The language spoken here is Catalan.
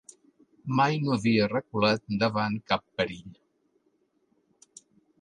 Mai no havia reculat davant cap perill.